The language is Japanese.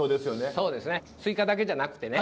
そうですねすいかだけじゃなくてね